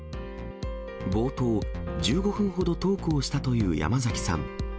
冒頭１５分ほどトークをしたという山崎さん。